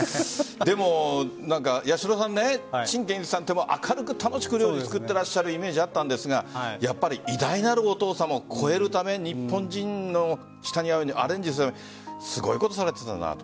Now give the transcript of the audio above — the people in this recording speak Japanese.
でも八代さん陳建一さんって、明るく楽しく料理を作ってらっしゃるイメージがあったんですがやっぱり偉大なるお父さんを超えるため日本人の舌に合うようにアレンジするすごいことをされていたんだと。